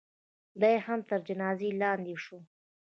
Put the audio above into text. دا یې هم تر جنازې لاندې شوه.